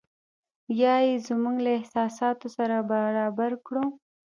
یا یې زموږ له احساساتو سره برابر کړو.